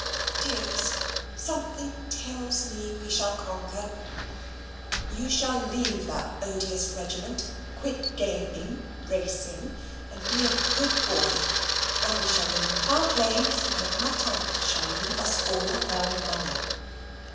Dearest! something TELLS ME we shall conquer. You shall leave that odious regiment: quit gaming, racing, and BE A GOOD BOY; and we shall all live in Park Lane, and ma tante shall leave us all her money.